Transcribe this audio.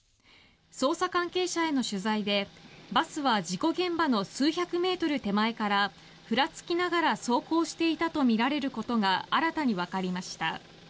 捜査関係者への取材でバスは事故現場の数百メートル手前からふらつきながら走行していたとみられることが新たにわかりました。